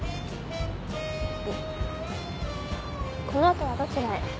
この後はどちらへ？